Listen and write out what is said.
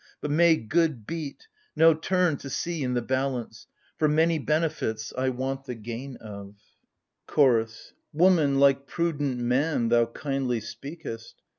But may good beat — no turn to see i' the balance ! For, many benefits I want the gain of. AGAMEMNON. 31 CHOROS. Woman, like prudent man thou kindly speakest.